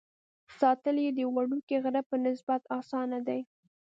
ساتل یې د یوه وړوکي غره په نسبت اسانه دي.